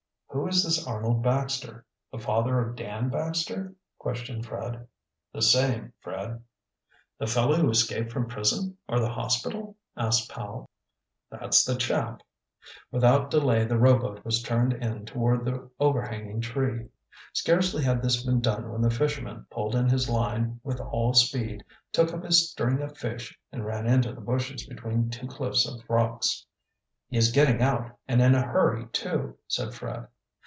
"Who is this Arnold Baxter? The father of Dan Baxter?" questioned Fred. "The same, Fred." "The fellow who escaped from prison, or the hospital?" asked Powell. "That's the chap." Without delay the rowboat was turned in toward the overhanging tree. Scarcely had this been done when the fisherman pulled in his line with all speed, took up his string of fish and ran into the bushes between two cliffs of rocks. "He is getting out, and in a hurry too!" said Fred.